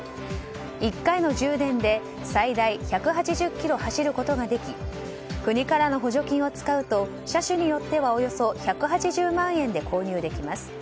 １回の充電で最大１８０ｋｍ走ることができ国からの補助金を使うと車種によってはおよそ１８０万円で購入できます。